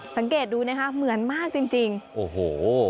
สังเกตดูนะคะเหมือนมากจริงจริงโอ้โห